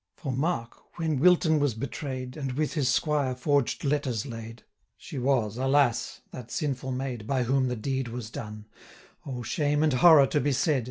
For mark: When Wilton was betray'd, 655 And with his squire forged letters laid, She was, alas! that sinful maid, By whom the deed was done, Oh! shame and horror to be said!